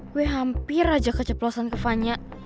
gue hampir aja keceplosan ke vanya